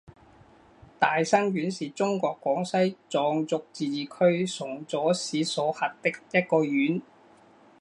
大新县是中国广西壮族自治区崇左市所辖的一个县。